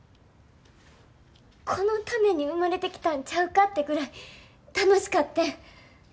このために生まれてきたんちゃうかってぐらい楽しかってん。